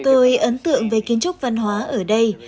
tôi ấn tượng về kiến trúc văn hóa ở đây